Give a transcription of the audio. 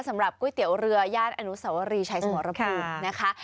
สำหรับก๋วยเตี๋ยวเรือย่านอนุสวรีชัยสมรภูมินะคะ